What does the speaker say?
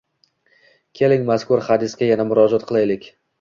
Keling mazkur hadisga yana murojaat qilaylik